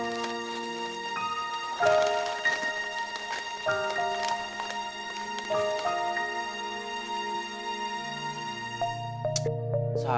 mereka selalu lo ibarat